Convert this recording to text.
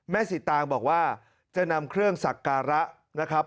แม่ศิตางค์บอกว่าจะนำเครื่องศักรรมนะครับ